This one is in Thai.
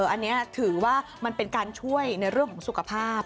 อันนี้ถือว่ามันเป็นการช่วยในเรื่องของสุขภาพ